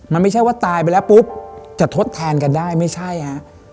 มันไม่ใช่ว่าตายไปแล้วปุ๊บจะทดแทนกันได้ไม่ใช่ฮะ